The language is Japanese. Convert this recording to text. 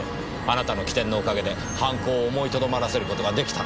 あなたの機転のお陰で犯行を思いとどまらせる事ができたのですから。